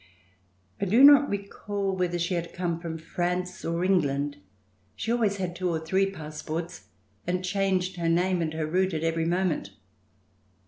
I do not recall whether she had come from France or England. She always had two or three passports and changed her name and her route at every moment.